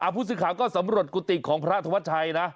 พูดสิทธิ์ข่าวก็สำหรับกุฏิของพระธุมัติชัยนะ